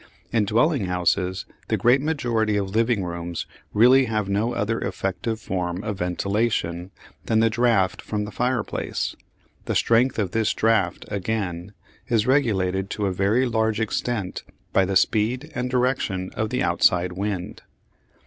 In dwelling houses the great majority of living rooms really have no other effective form of ventilation than the draught from the fireplace. The strength of this draught, again, is regulated to a very large extent by the speed and direction of the outside wind.